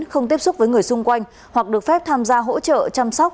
không tiếp xúc với người xung quanh hoặc được phép tham gia hỗ trợ chăm sóc